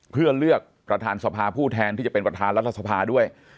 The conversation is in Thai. เพื่อเลือกประธานสภาผู้แทนที่จะเป็นประธานรัฐสภาด้วย